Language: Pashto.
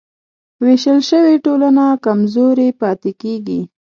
وېشل شوې ټولنه کمزورې پاتې کېږي.